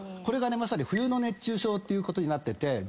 これがまさに冬の熱中症ってことになってて。